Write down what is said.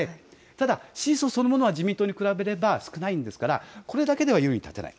ただ、支持層そのものは、自民党に比べれば少ないんですから、これだけでは優位に立てない。